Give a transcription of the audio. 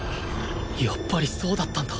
やっぱりそうだったんだ。